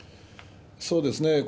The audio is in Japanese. そうですね。